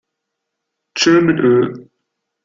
Tschö mit Ö!